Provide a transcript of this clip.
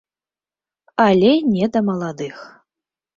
Але не да маладых.